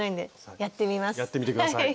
やってみて下さい。